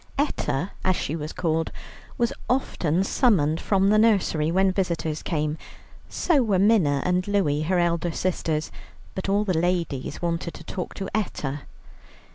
Etta, as she was called, was often summoned from the nursery when visitors came; so were Minna and Louie her elder sisters, but all the ladies wanted to talk to Etta.